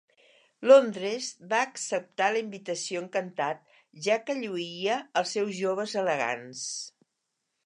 Londres va acceptar la invitació encantat ja que lluïa els seus joves elegants.